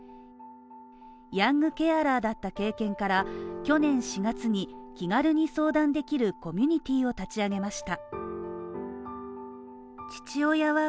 ヤングケアラーだった経験から、去年４月に気軽に相談できるコミュニティーを立ち上げました。